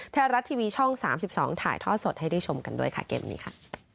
ไทยรัฐทีวีช่อง๓๒ถ่ายทอดสดให้ได้ชมกันด้วยค่ะเกมนี้ค่ะ